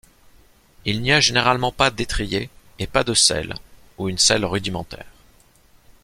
Il n'y a généralement pas d'étrier et pas de selle ou une selle rudimentaire.